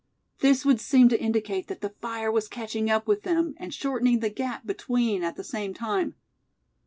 This would seem to indicate that the fire was catching up with them, and shortening the gap between at the same time.